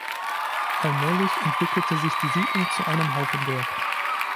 Allmählich entwickelte sich die Siedlung zu einem Haufendorf.